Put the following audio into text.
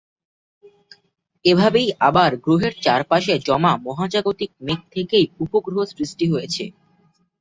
এভাবেই আবার গ্রহের চারপাশে জমা মহাজাগতিক মেঘ থেকেই উপগ্রহ সৃষ্টি হয়েছে।